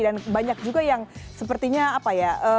dan banyak juga yang sepertinya apa ya